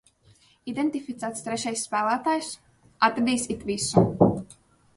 Identificēts trešais spēlētājs. Atradīs it visu.